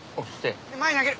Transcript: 前に投げる！